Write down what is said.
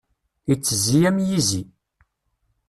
Ittezzi am yizi.